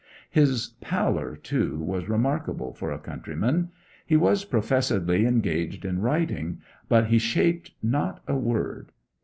His pallor, too, was remarkable for a countryman. He was professedly engaged in writing, but he shaped not word.